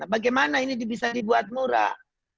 bagaimana ini bisa dibuat murah